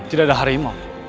tidak ada harimau